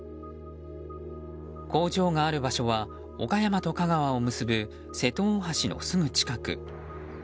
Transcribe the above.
工場がある場所は岡山と香川を結ぶ瀬戸大橋のすぐ近く。